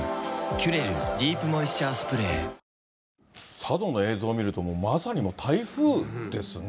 佐渡の映像を見ると、もうまさに台風ですね。